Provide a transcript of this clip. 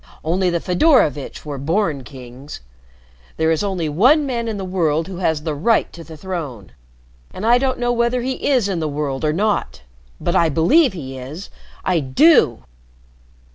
Only the Fedorovitch were born kings. There is only one man in the world who has the right to the throne and I don't know whether he is in the world or not. But I believe he is! I do!"